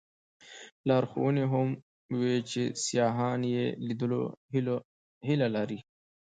لارښوونې هم وې چې سیاحان یې د لیدلو هیله لري.